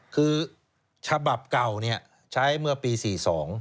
คือฉบับเก่าเนี่ยใช้เมื่อปีสี่สอง